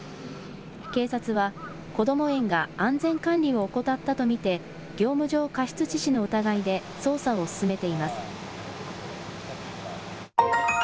警察はこども園が安全管理を怠ったと見て業務上過失致死の疑いで捜査を進めています。